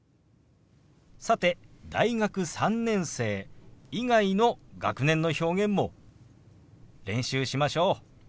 さて大学３年生以外の学年の表現も練習しましょう。